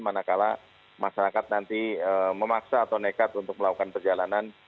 manakala masyarakat nanti memaksa atau nekat untuk melakukan perjalanan